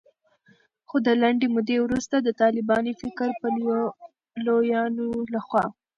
خو د لنډې مودې وروسته د طالباني فکر پلویانو لخوا